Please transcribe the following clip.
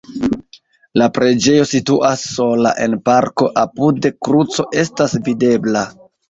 La preĝejo situas sola en parko, apude kruco estas videbla.